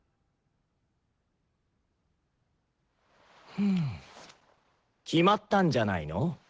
ふん決まったんじゃないの？